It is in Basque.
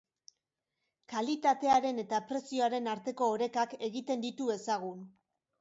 Kalitatearen eta prezioaren arteko orekak egin ditu ezagun.